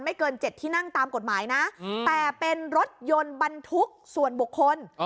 เกิน๗ที่นั่งตามกฎหมายนะแต่เป็นรถยนต์บรรทุกส่วนบุคคล